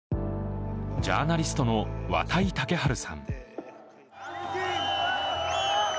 ジャーナリストの綿井健陽さん。